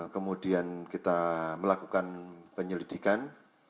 kemudian kita melakukan penyelidikan